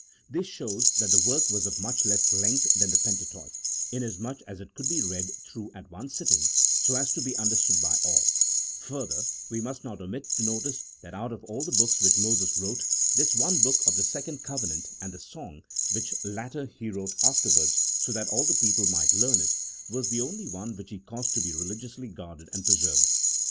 This shows that the work was of much less length than the Pentateuch, inasmuch as it could be read through at one sitting so as to be understood by all ; further, we must not omit to notice that out of all the books which Moses wrote, this one book of the second covenant and the song (which latter he wrote afterwards so that all the people might learn it), was the only one which he caused to be re ligiously guarded and preserved.